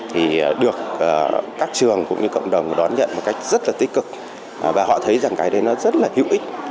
thì được các trường cũng như cộng đồng đón nhận một cách rất là tích cực và họ thấy rằng cái đấy nó rất là hữu ích